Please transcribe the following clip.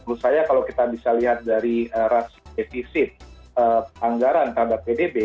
menurut saya kalau kita bisa lihat dari rasio defisit anggaran terhadap pdb